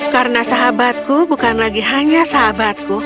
karena sahabatku bukan lagi hanya sahabatku